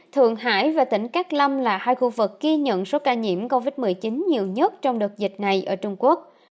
thượng hải và tỉnh cát lâm là hai khu vực ghi nhận số ca nhiễm covid một mươi chín nhiều nhất trong đợt dịch này ở trung quốc